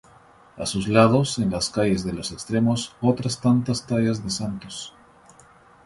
A sus lados, en las calles de los extremos, otras tantas tallas de santos.